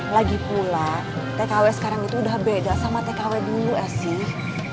lagi pula tkw sekarang itu udah beda sama tkw dulu sih